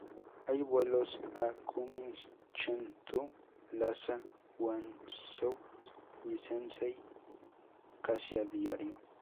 Hay vuelos a Kunming, Chengdu, Lhasa, Guangzhou y Shenzhen casi a diario.